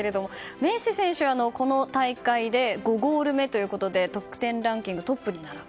メッシ選手、この大会で５ゴール目ということで得点ランキングトップに並ぶ。